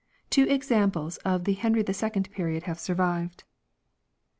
1 Two examples of the Henry II period have survived.